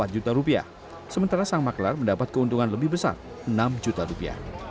empat juta rupiah sementara sang maklar mendapat keuntungan lebih besar enam juta rupiah